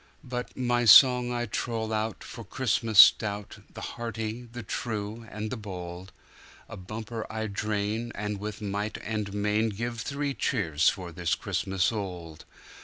But my song I troll out, for Christmas stout, The hearty, the true, and the bold;A bumper I drain, and with might and mainGive three cheers for this Christmas old.